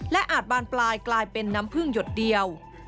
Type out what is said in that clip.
และอาจบานปลายกลายเป็นน้ำพึ่งหยดเดียว